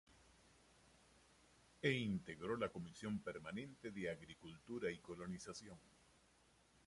E integró la Comisión Permanente de Agricultura y Colonización.